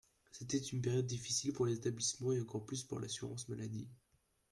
C’était une période difficile pour les établissements et encore plus pour l’assurance maladie.